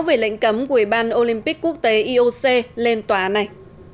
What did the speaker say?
về lệnh cấm của ủy ban olympic quốc tế ioc lên tòa án này